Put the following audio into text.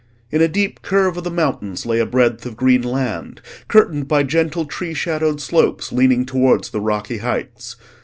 In a deep curve of the mountains lay a breadth of green land, curtained by gentle tree shadowed slopes leaning towards the rocky heights.